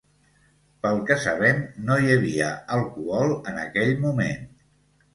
Pel que sabem, no hi havia alcohol en aquell moment.